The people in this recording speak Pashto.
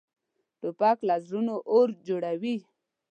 توپک له زړونو اور جوړوي.